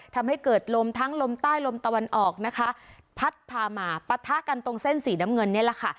ทำให้เกิดลมทั้งลมใต้ลมตะวันออกนะคะพัดพามาปะทะกันตรงเส้นสีน้ำเงินนี่แหละค่ะ